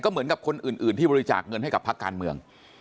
เหมือนกับคนอื่นที่บริจาคเงินให้กับพักการเมือง